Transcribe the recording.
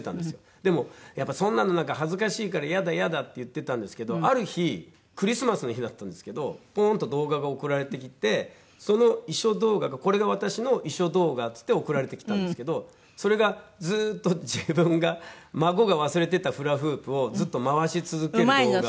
でも「やっぱりそんなの恥ずかしいから嫌だ嫌だ」って言ってたんですけどある日クリスマスの日だったんですけどポンッと動画が送られてきてその遺書動画「これが私の遺書動画」って言って送られてきたんですけどそれがずっと自分が孫が忘れてったフラフープをずっと回し続ける動画。